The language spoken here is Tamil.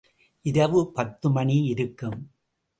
இரவு பத்து மணி இருக்கும்.